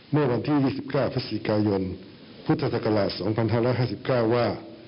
เมื่อวันที่๒๙ภศิกายนพศ๒๕๕๙ว่า